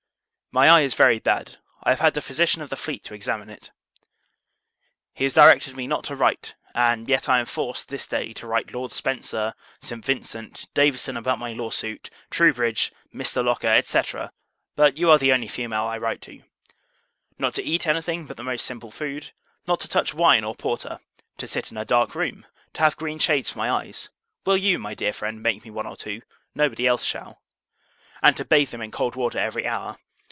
My eye is very bad. I have had the physician of the fleet to examine it. He has directed me not to write, (and yet I am forced, this day, to write Lord Spencer, St. Vincent, Davison about my law suit, Troubridge, Mr. Locker, &c. but you are the only female I write to;) not to eat any thing but the most simple food; not to touch wine or porter; to sit in a dark room; to have green shades for my eyes (will you, my dear friend, make me one or two? Nobody else shall;) and to bathe them in cold water every hour.